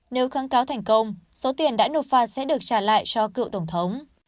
nếu kháng cáo thành công số tiền đã nộp phạt sẽ được trả lại cho cựu tổng thống